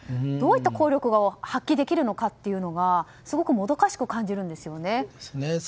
どういった効力を発揮できるのかすごくもどかしく感じるんですよね。